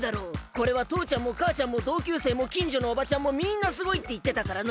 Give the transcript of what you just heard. これはとうちゃんもかあちゃんもどうきゅうせいもきんじょのおばちゃんもみんなすごいっていってたからな。